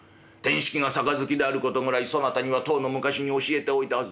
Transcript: しきが盃であることぐらいそなたにはとうの昔に教えておいたはずだ。